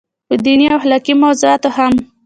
پۀ ديني او اخلاقي موضوعاتو هم